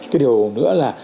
cái điều nữa là